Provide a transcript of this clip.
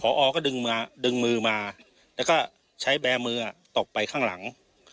พอก็ดึงมาดึงมือมาแล้วก็ใช้แบร์มือตกไปข้างหลัง